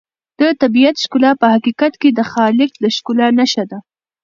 د طبیعت ښکلا په حقیقت کې د خالق د ښکلا نښه ده.